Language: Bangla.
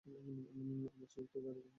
আমরা ছয়টি গাড়িকে বের হতে দেখছি।